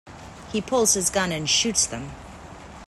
He pulls his gun and shoots them.